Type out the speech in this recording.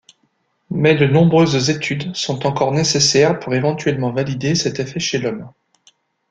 Mais de nombreuses études sont encore nécessaires pour éventuellement valider cet effet chez l'homme.